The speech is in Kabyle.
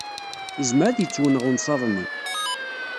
Yezmer ad yettwenɣ uwsaḍ-nni.